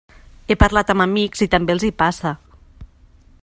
He parlat amb amics i també els hi passa.